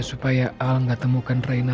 supaya al gak temukan reina